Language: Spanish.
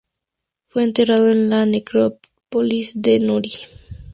Fue enterrado en la necrópolis de Nuri.